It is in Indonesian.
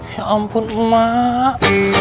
ya ampun emak